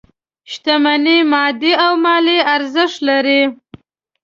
شتمني مادي او مالي ارزښت لري.